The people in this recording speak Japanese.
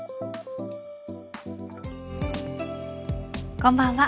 こんばんは。